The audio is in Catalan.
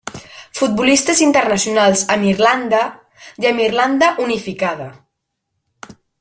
Futbolistes internacionals amb Irlanda, i amb Irlanda Unificada.